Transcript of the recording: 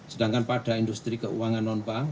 sedangkan pada industri keuangan non bank